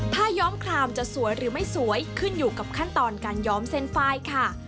ย้อมคลามจะสวยหรือไม่สวยขึ้นอยู่กับขั้นตอนการย้อมเซ็นไฟล์ค่ะ